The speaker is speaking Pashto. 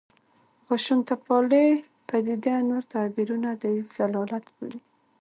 خشونتپالې پدیده نور تعبیرونه د ضلالت بولي.